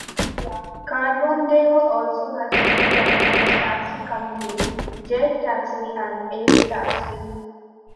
Carbondale also has two licensed taxi companies, Jet Taxi and Ace Taxi.